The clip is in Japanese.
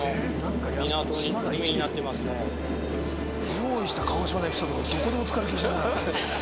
用意した鹿児島のエピソードがどこにも使える気しないな。